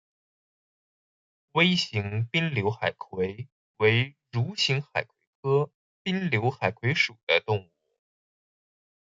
微型滨瘤海葵为蠕形海葵科滨瘤海葵属的动物。